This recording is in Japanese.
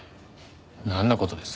なんの事です？